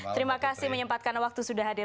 terima kasih menyempatkan waktu sudah hadir